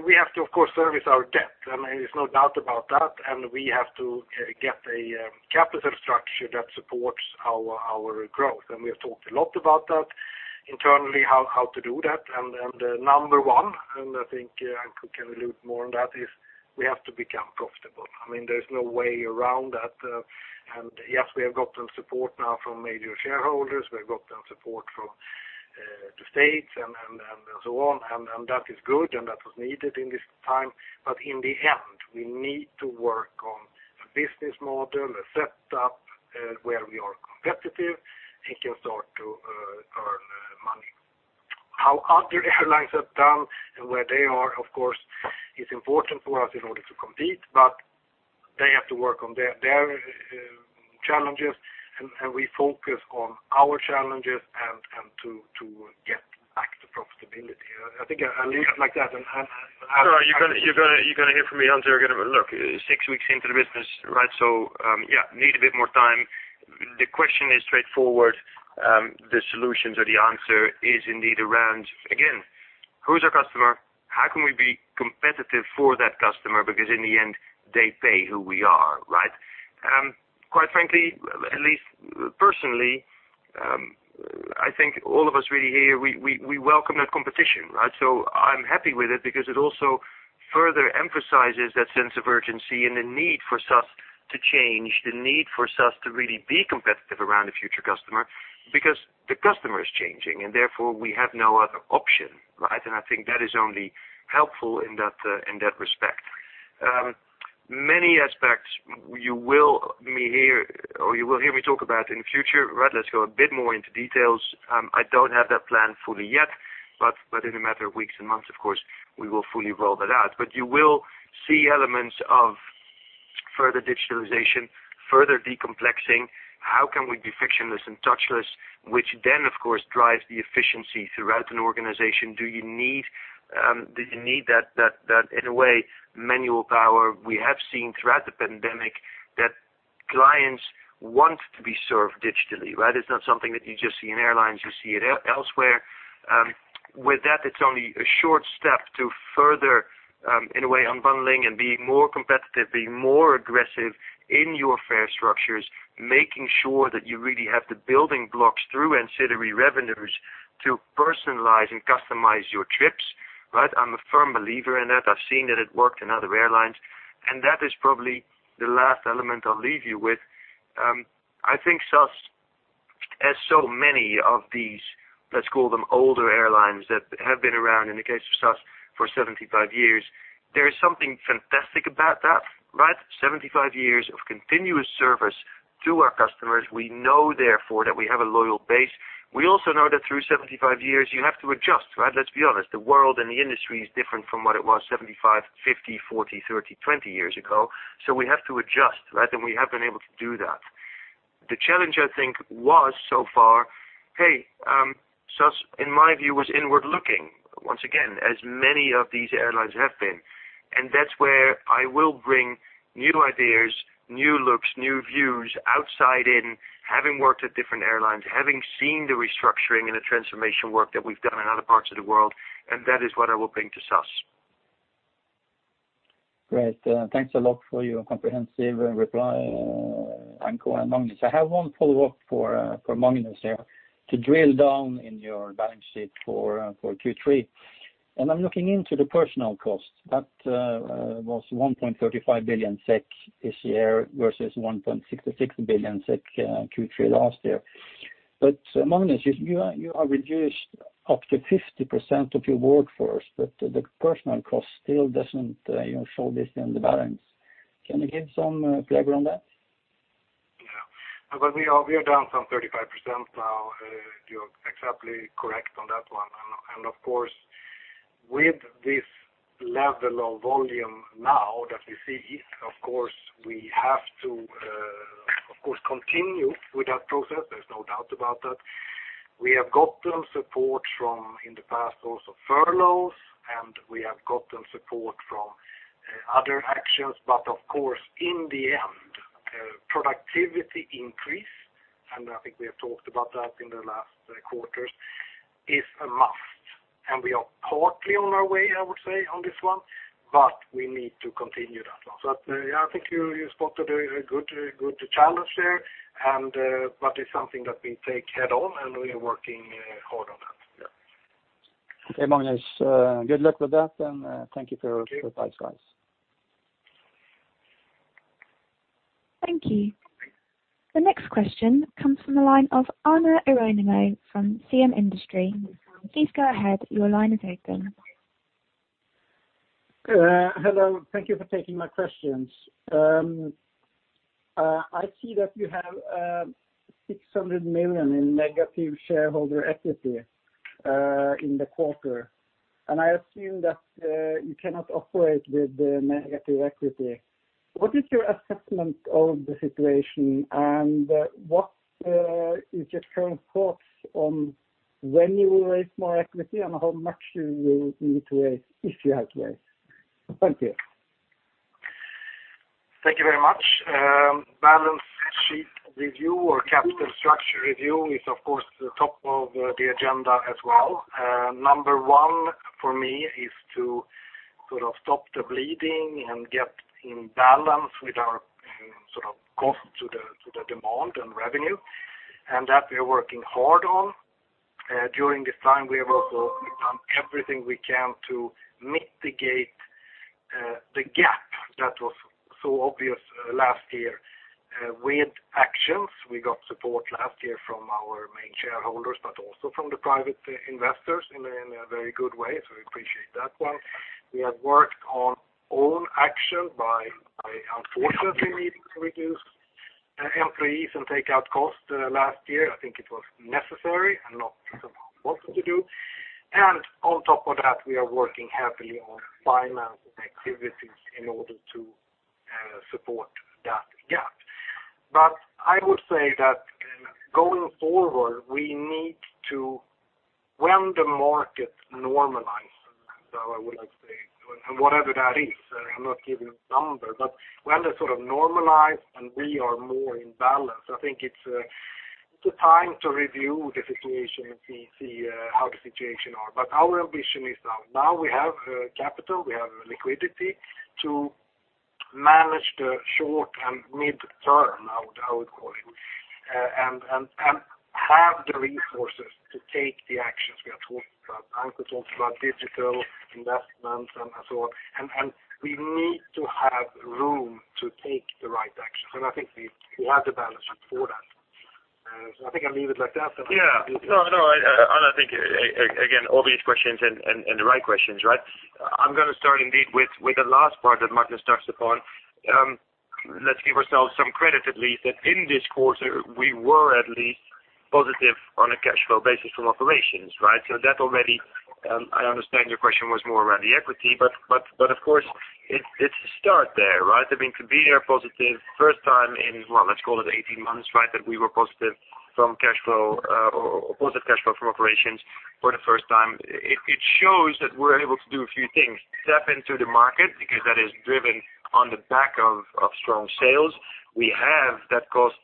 We have to, of course, service our debt, and there's no doubt about that, and we have to get a capital structure that supports our growth. We have talked a lot about that internally, how to do that, and number one, and I think Anko can allude more on that, is we have to become profitable. There's no way around that. Yes, we have gotten support now from major shareholders. We have gotten support from the states and so on, and that is good, and that was needed in this time. In the end, we need to work on a business model, a setup where we are competitive and can start to earn money. How other airlines have done and where they are, of course, is important for us in order to compete, they have to work on their challenges, and we focus on our challenges and to get back to profitability. I think I'll leave it like that, and Hans- You're going to hear from me, Hans. Look, six weeks into the business, so need a bit more time. The question is straightforward. The solutions or the answer is indeed around, again, who's our customer? How can we be competitive for that customer? In the end, they pay who we are. Quite frankly, at least personally, I think all of us really here, we welcome that competition. I'm happy with it because it also further emphasizes that sense of urgency and the need for SAS to change, the need for SAS to really be competitive around the future customer, because the customer is changing, and therefore, we have no other option. I think that is only helpful in that respect. Many aspects you will hear me talk about in the future. Let's go a bit more into details. I don't have that planned fully yet, but in a matter of weeks and months, of course, we will fully roll that out. You will see elements of further digitalization, further decomplexing, how can we be frictionless and touchless, which then, of course, drives the efficiency throughout an organization. Do you need that, in a way, manual power? We have seen throughout the pandemic that clients want to be served digitally. It's not something that you just see in airlines, you see it elsewhere. With that, it's only a short step to further, in a way, unbundling and being more competitive, being more aggressive in your fare structures, making sure that you really have the building blocks through ancillary revenues to personalize and customize your trips. I'm a firm believer in that. I've seen that it worked in other airlines, and that is probably the last element I'll leave you with. I think SAS, as so many of these, let's call them older airlines that have been around, in the case of SAS, for 75 years, there is something fantastic about that. 75 years of continuous service to our customers. We know, therefore, that we have a loyal base. We also know that through 75 years, you have to adjust. Let's be honest, the world and the industry is different from what it was 75, 50, 40, 30, 20 years ago. We have to adjust, and we have been able to do that. The challenge, I think, was so far, SAS, in my view, was inward-looking, once again, as many of these airlines have been. That's where I will bring new ideas, new looks, new views outside in, having worked at different airlines, having seen the restructuring and the transformation work that we've done in other parts of the world, and that is what I will bring to SAS. Great. Thanks a lot for your comprehensive reply, Anko and Magnus. I have one follow-up for Magnus here to drill down in your balance sheet for Q3. I'm looking into the personnel cost. That was 1.35 billion SEK this year versus 1.66 billion SEK Q3 last year. Magnus, you have reduced up to 50% of your workforce, but the personnel cost still doesn't show this in the balance. Can you give some flavor on that? Yeah. We are down from 35% now. You're exactly correct on that one. Of course, with this level of volume now that we see, we have to continue with that process. There's no doubt about that. We have gotten support from, in the past also, furloughs, and we have gotten support from other actions. Of course, in the end, productivity increase, and I think we have talked about that in the last quarters, is a must. We are partly on our way, I would say, on this one, but we need to continue that one. I think you spotted a very good challenge there, but it's something that we take head-on, and we are working hard on that. Yeah. Okay, Magnus. Good luck with that, and thank you for the insights. Thank you. The next question comes from the line of [Arne Ironimo] from CM Industry, please go ahead your line is open. Hello. Thank you for taking my questions. I see that you have 600 million in negative shareholder equity in the quarter. I assume that you cannot operate with the negative equity. What is your assessment of the situation, and what is your current thoughts on when you will raise more equity and how much you will need to raise, if you have to raise? Thank you. Thank you very much. Balance sheet review or capital structure review is, of course, the top of the agenda as well. Number one for me is to stop the bleeding and get in balance with our cost to the demand and revenue, and that we are working hard on. During this time, we have also done everything we can to mitigate the gap that was so obvious last year with actions. We got support last year from our main shareholders, but also from the private investors in a very good way, so we appreciate that one. We have worked on own action by unfortunately needing to reduce employees and take out costs last year. I think it was necessary and not somehow possible to do. On top of that, we are working heavily on financing activities in order to support that gap. I would say that going forward, when the market normalizes, and whatever that is, I'm not giving a number, but when that sort of normalize and we are more in balance, I think it's the time to review the situation and see how the situation are. Our ambition is now we have capital, we have liquidity to manage the short and mid-term, I would call it, and have the resources to take the actions we are talking about. Anko talked about digital investments and so on, and we need to have room to take the right actions, and I think we have the balance sheet for that. I think I'll leave it like that. Yeah. No, I think, again, all these questions and the right questions, right? I am going to start indeed with the last part that Magnus touched upon. Let's give ourselves some credit, at least, that in this quarter, we were at least positive on a cash flow basis from operations, right? I understand your question was more around the equity, but of course, it's a start there, right? I mean, to be here positive first time in, well, let's call it 18 months, right? That we were positive cash flow from operations for the first time. It shows that we're able to do a few things, tap into the market, because that is driven on the back of strong sales. We have that cost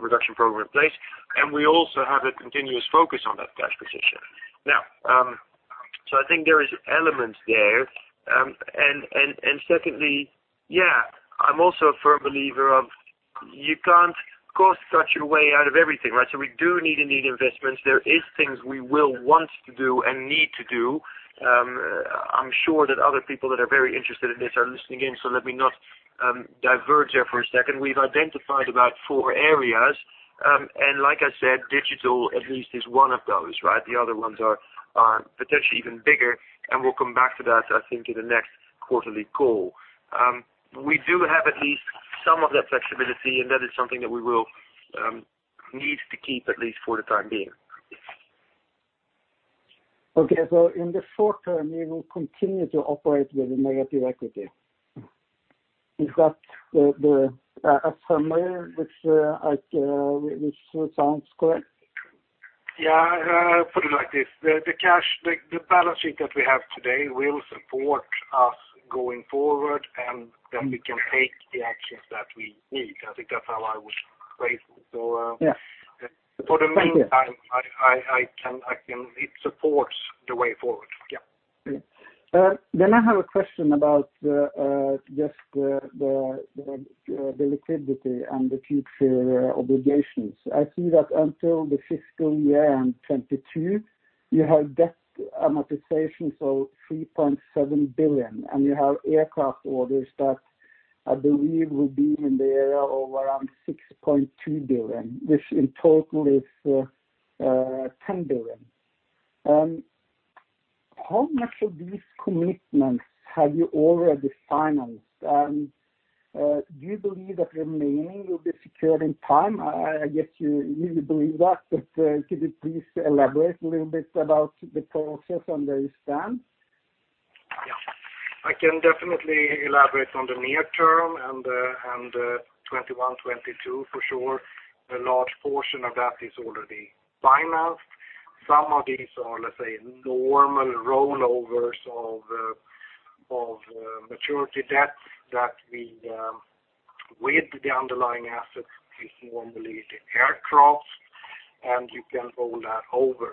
reduction program in place, and we also have a continuous focus on that cash position. Now, so I think there is elements there. Secondly, yeah, I'm also a firm believer of you can't cost cut your way out of everything, right? We do need investments. There is things we will want to do and need to do. I'm sure that other people that are very interested in this are listening in, so let me not diverge there for a second. We've identified about four areas. Like I said, digital at least is one of those, right? The other ones are potentially even bigger, and we'll come back to that, I think, in the next quarterly call. We do have at least some of that flexibility, and that is something that we will need to keep at least for the time being. Okay. In the short term, you will continue to operate with a negative equity? Is that the summary, which sounds correct? Yeah. I put it like this, the balance sheet that we have today will support us going forward, and then we can take the actions that we need. I think that's how I would phrase it. Yes. Thank you. For the meantime, it supports the way forward. Yeah. Okay. I have a question about just the liquidity and the future obligations. I see that until the fiscal year in 2022, you have debt amortization, so 3.7 billion, and you have aircraft orders that I believe will be in the area of around 6.2 billion, which in total is 10 billion. How much of these commitments have you already financed? Do you believe that remaining will be secured in time? I guess you believe that, but could you please elaborate a little bit about the process and where you stand? Yeah. I can definitely elaborate on the near term and 2021, 2022, for sure. A large portion of that is already financed. Some of these are, let's say, normal rollovers of maturity debts that with the underlying assets, if you want to believe the aircraft, and you can roll that over.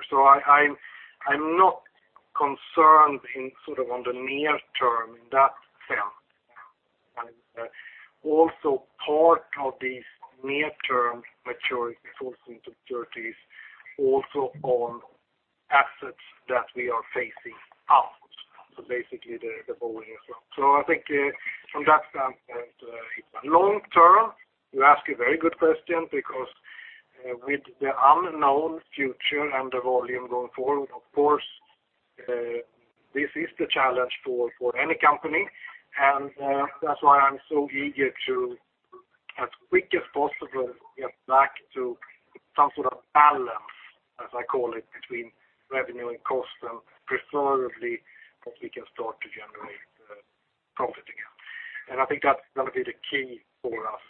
I'm not concerned in sort of on the near term in that sense. Also, part of these near-term maturities also on assets that we are phasing out, so basically the Boeing as well. I think from that standpoint, it's a long term, you ask a very good question because with the unknown future and the volume going forward, of course, this is the challenge for any company, and that's why I'm so eager to, as quick as possible, get back to some sort of balance, as I call it, between revenue and cost, and preferably that we can start to generate profit again. I think that's going to be the key for us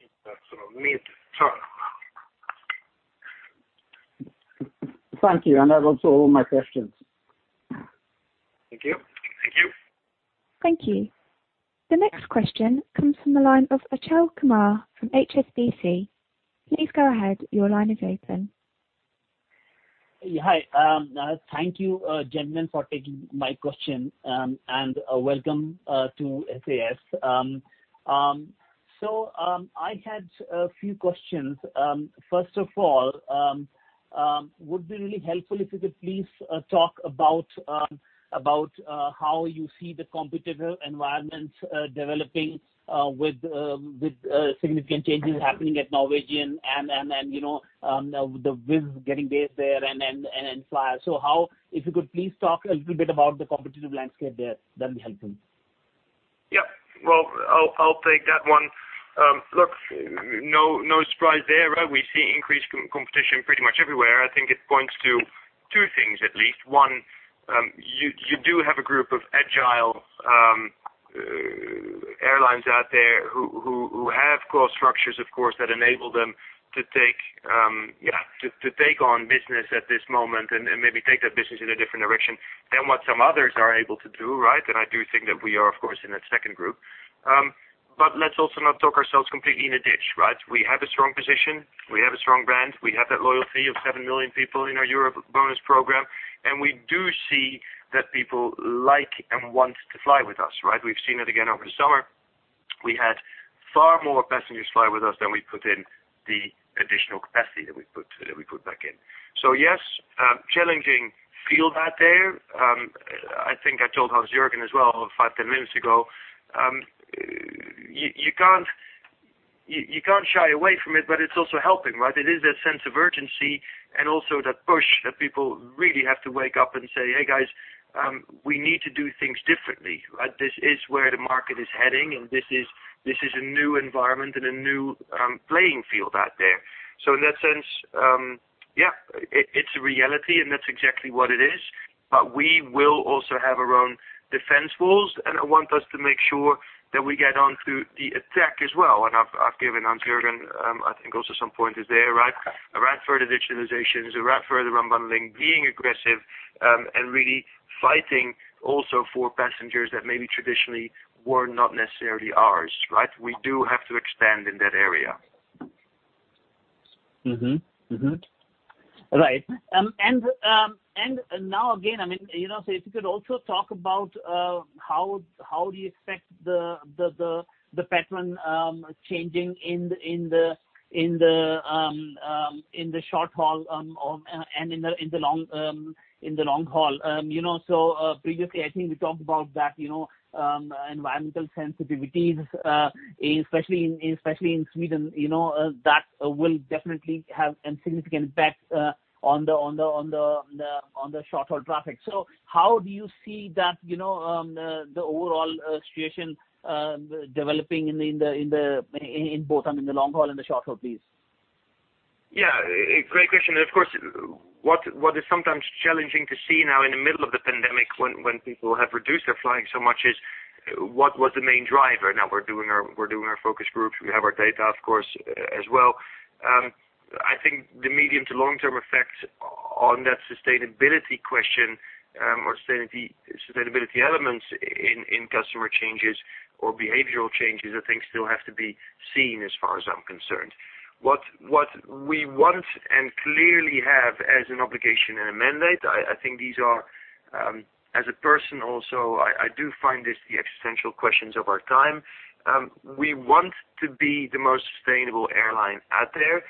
in that sort of mid-term. Thank you. That was all my questions. Thank you. Thank you. The next question comes from the line of Achal Kumar from HSBC. Please go ahead. Your line is open. Hi. Thank you, gentlemen, for taking my question, and welcome to SAS. I had a few questions. First of all, would be really helpful if you could please talk about how you see the competitive environment developing with significant changes happening at Norwegian and the Wizz getting base there and then [Flyr]. If you could please talk a little bit about the competitive landscape there, that'd be helpful. Yeah. Well, I'll take that one. Look, no surprise there, right? We see increased competition pretty much everywhere. I think it points to two things, at least. one, you do have a group of agile airlines out there who have cost structures, of course, that enable them to take on business at this moment and maybe take that business in a different direction than what some others are able to do, right? I do think that we are, of course, in that second group. Let's also not talk ourselves completely in a ditch, right? We have a strong position. We have a strong brand. We have that loyalty of 7 million people in our EuroBonus program, and we do see that people like and want to fly with us, right? We've seen it again over the summer. We had far more passengers fly with us than we put in the additional capacity that we put back in. Yes, challenging field out there. I think I told Hans Jørgen Elnæs as well five, 10 minutes ago, you can't shy away from it, but it's also helping, right? It is that sense of urgency and also that push that people really have to wake up and say, hey, guys, we need to do things differently. This is where the market is heading, and this is a new environment and a new playing field out there. In that sense, yeah, it's a reality, and that's exactly what it is. We will also have our own defense walls, and I want us to make sure that we get onto the attack as well, and I've given Hans Jørgen Elnæs, I think, also some pointers there, right? Around further digitalizations, around further unbundling, being aggressive, and really fighting also for passengers that maybe traditionally were not necessarily ours, right? We do have to expand in that area. Mm-hmm. Right. Now, again, if you could also talk about how do you expect the pattern changing in the short haul and in the long haul? Previously, I think we talked about that environmental sensitivities, especially in Sweden, that will definitely have a significant impact on the short-haul traffic. How do you see the overall situation developing in both, in the long haul and the short haul, please? Yeah. Great question. Of course, what is sometimes challenging to see now in the middle of the pandemic when people have reduced their flying so much is what was the main driver? We're doing our focus groups. We have our data, of course, as well. I think the medium to long-term effect on that sustainability question, or sustainability elements in customer changes or behavioral changes, I think still have to be seen, as far as I'm concerned. What we want and clearly have as an obligation and a mandate, as a person also, I do find this the existential questions of our time. We want to be the most sustainable airline out there.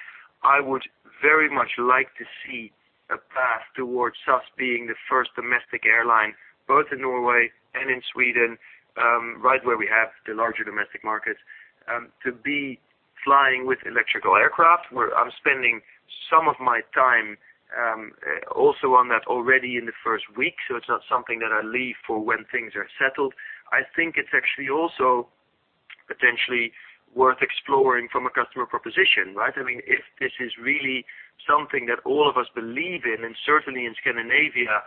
I would very much like to see a path towards us being the first domestic airline, both in Norway and in Sweden, right where we have the larger domestic markets, to be flying with electrical aircraft. I'm spending some of my time also on that already in the first week, so it's not something that I leave for when things are settled. I think it's actually also potentially worth exploring from a customer proposition, right? If this is really something that all of us believe in, and certainly in Scandinavia,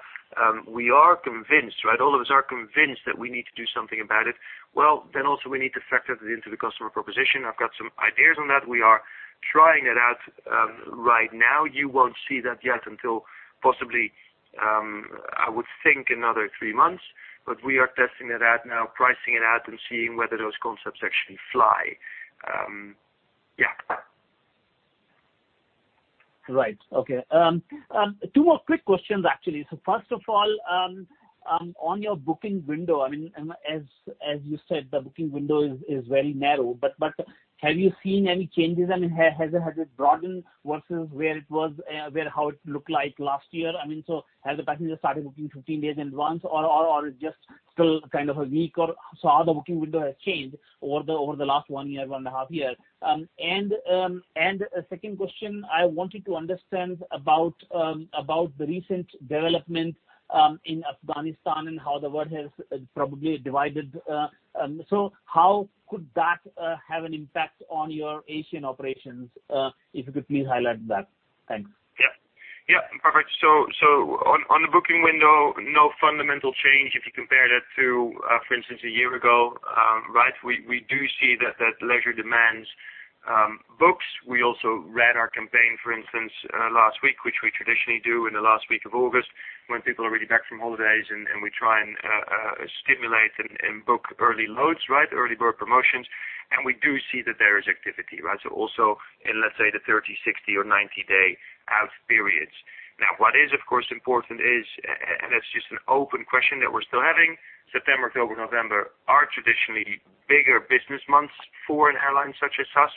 we are convinced. All of us are convinced that we need to do something about it. Well, then also we need to factor that into the customer proposition. I've got some ideas on that. We are trying it out right now. You won't see that yet until possibly, I would think another three months. We are testing it out now, pricing it out, and seeing whether those concepts actually fly. Yeah. Right. Okay. Two more quick questions, actually. First of all, on your booking window, as you said, the booking window is very narrow. Have you seen any changes? Has it broadened versus how it looked like last year? Have the passengers started booking 15 days in advance, or it just still kind of a week? How the booking window has changed over the last one year, one and a half years? Second question, I wanted to understand about the recent development in Afghanistan and how the world has probably divided. How could that have an impact on your Asian operations? If you could please highlight that. Thanks. Yeah. Perfect. On the booking window, no fundamental change if you compare that to, for instance, a year ago. We do see that leisure demands books. We also ran our campaign, for instance, last week, which we traditionally do in the last week of August, when people are really back from holidays, and we try and stimulate and book early loads. Early bird promotions. We do see that there is activity. Also in, let's say, the 30, 60, or 90-day out periods. Now, what is, of course, important is, and it's just an open question that we're still having, September, October, November are traditionally bigger business months for an airline such as us.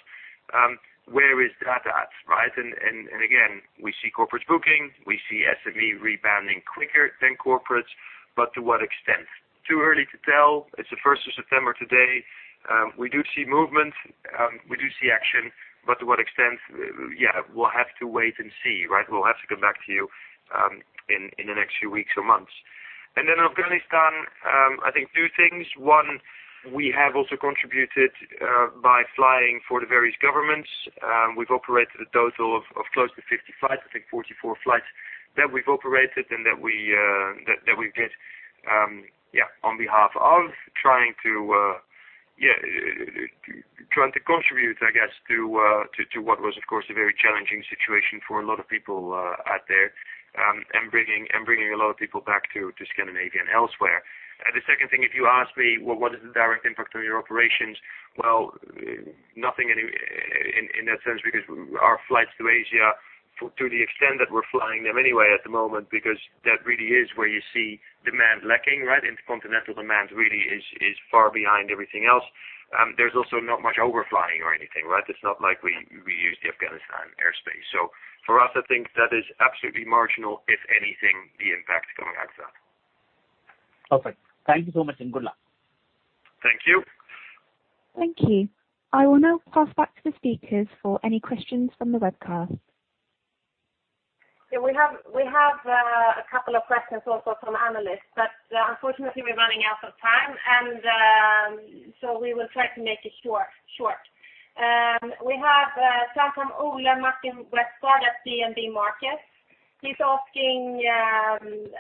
Where is that at? Again, we see corporate booking, we see SME rebounding quicker than corporates, but to what extent? Too early to tell. It's the 1st of September today. We do see movement. We do see action. But to what extent? Yeah, we'll have to wait and see. We'll have to come back to you in the next few weeks or months. Afghanistan, I think two things. One, we have also contributed by flying for the various governments. We've operated a total of close to 50 flights, I think 44 flights that we've operated and that we did on behalf of trying to contribute, I guess, to what was, of course, a very challenging situation for a lot of people out there, and bringing a lot of people back to Scandinavia and elsewhere. The second thing, if you ask me, well, what is the direct impact on your operations? Well, nothing in that sense, because our flights to Asia, to the extent that we're flying them anyway at the moment, because that really is where you see demand lacking. Intercontinental demand really is far behind everything else. There's also not much overflying or anything. It's not like we use the Afghanistan airspace. For us, I think that is absolutely marginal, if anything, the impact coming out of that. Perfect. Thank you so much, and good luck. Thank you. Thank you. I will now pass back to the speakers for any questions from the webcast. Yeah, we have a couple of questions also from analysts, but unfortunately we're running out of time. We will try to make it short. We have a call from Ole Martin Westgaard at DNB Markets. He's asking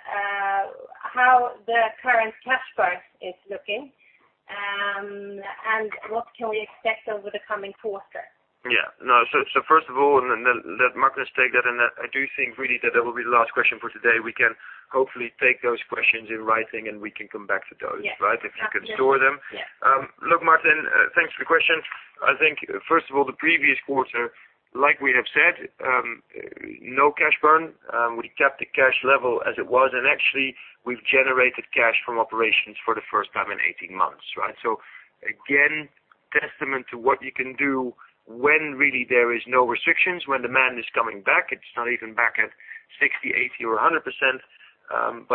how the current cash burn is looking, and what can we expect over the coming quarter? Yeah. No. First of all, and then let Magnus take that, and I do think really that that will be the last question for today. We can hopefully take those questions in writing, and we can come back to those. Yes. If you can store them. Yeah. Look, Martin, thanks for the question. I think, first of all, the previous quarter, like we have said, no cash burn. We kept the cash level as it was, and actually, we've generated cash from operations for the first time in 18 months. Again, testament to what you can do when really there is no restrictions, when demand is coming back. It's not even back at 60%, 80%, or 100%,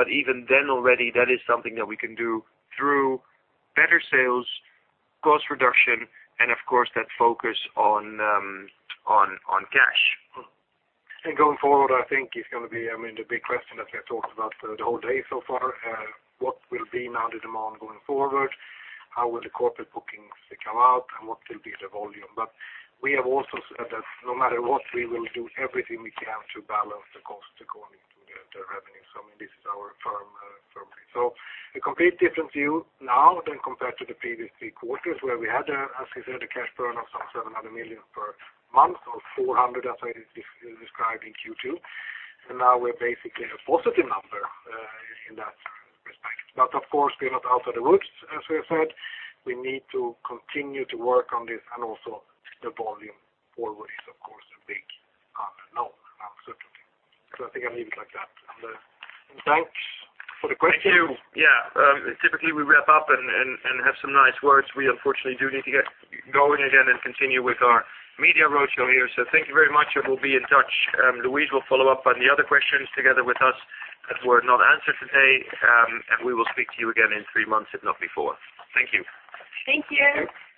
even then already, that is something that we can do through better sales, cost reduction, and of course, that focus on cash. Going forward, I think it's going to be the big question that we have talked about the whole day so far. What will be now the demand going forward? How will the corporate bookings come out, and what will be the volume? We have also said that no matter what, we will do everything we can to balance the costs according to the revenue. This is our firm belief. A complete different view now than compared to the previous three quarters, where we had, as we said, a cash burn of some 700 million per month, or 400 million, as it is described in Q2. Now we're basically a positive number in that respect. Of course, we're not out of the woods, as we have said. We need to continue to work on this, and also the volume forward is, of course, a big unknown. I think I'll leave it like that. Thanks for the question. Thank you. Yeah. Typically, we wrap up and have some nice words. We unfortunately do need to get going again and continue with our media roadshow here. Thank you very much, and we'll be in touch. Louise will follow up on the other questions together with us that were not answered today, and we will speak to you again in three months, if not before. Thank you. Thank you. Thank you.